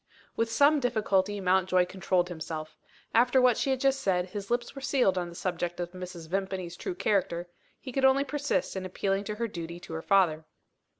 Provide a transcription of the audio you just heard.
With some difficulty, Mountjoy controlled himself. After what she had just said, his lips were sealed on the subject of Mrs. Vimpany's true character. He could only persist in appealing to her duty to her father.